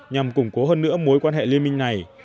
nhằm củng cố hơn nữa mối quan hệ liên minh này